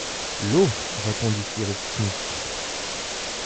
L’eau, répondit Cyrus Smith.